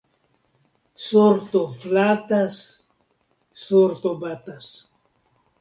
Sorto flatas, sorto batas.